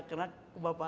dan ternyata kesampean